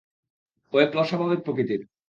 ও একটু অস্বাভাবিক প্রকৃতির।